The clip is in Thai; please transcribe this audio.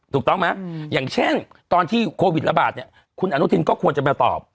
ถูกต้องไหมอย่างเช่นตอนที่โควิดระบาดเนี่ยคุณอนุทินก็ควรจะมาตอบ